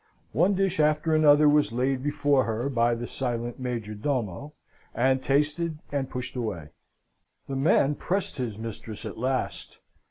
One dish after another was laid before her by the silent major domo, and tasted and pushed away. The man pressed his mistress at last.